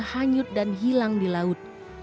hanyut dan hilang di laut